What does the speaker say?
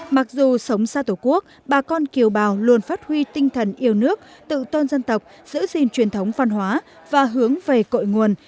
mặc dù sống xa tổ quốc bà con kiều bào luôn phát huy tinh thần yêu nước tự tôn dân tộc giữ gìn truyền thống văn hóa và hướng về cội nguồn